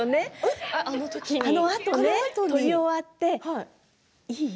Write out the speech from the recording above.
あのあとね撮り終わっていい？